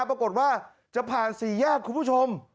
ปรากฏว่าจะผ่านสี่แยกคุณผู้ชม